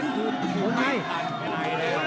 โยมาย